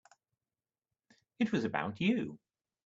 It was about you.